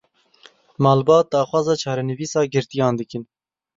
Malbat daxwaza çarenivîsa girtiyan dikin.